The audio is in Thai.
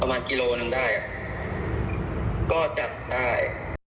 ประมาณกิโลหนึ่งได้ก็จับได้